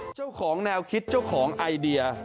เจ้าของแนวคิดเจ้าของไอเดีย